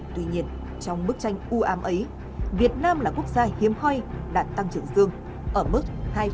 tuy nhiên trong bức tranh ưu am ấy việt nam là quốc gia hiếm hoi đạt tăng trưởng dương ở mức hai chín mươi một